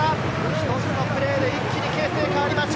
一つのプレーで一気に形勢が変わります。